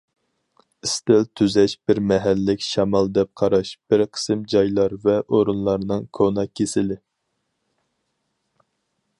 ئىستىل تۈزەش بىر مەھەللىك شامال دەپ قاراش بىر قىسىم جايلار ۋە ئورۇنلارنىڭ كونا كېسىلى.